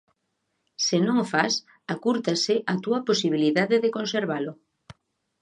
Se non o fas, acúrtase a túa posibilidade de conservalo.